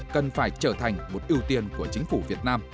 cần phải trở thành một ưu tiên của chính phủ việt nam